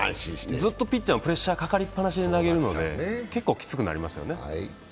ずっとピッチャーにプレッシャーがかかり続けで投げるので結構きつくなりますよね。